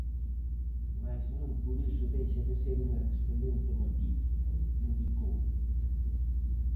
"Mais non por iso deixa de ser unha excelente noticia", indicou.